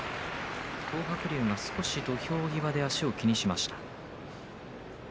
東白龍が少し、土俵際で足を気にしました。